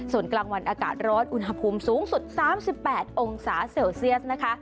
ส่วนกลางวันอากาศร้อนอุณหภูมิสูงสุด๓๘องศาเซลเซียสนะคะ